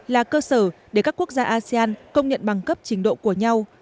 là cơ sở để các quốc gia asean công nhận bằng cấp trình độ của nhau